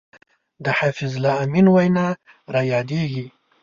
د حفیظ الله امین وینا را یادېږي.